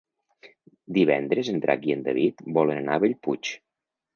Divendres en Drac i en David volen anar a Bellpuig.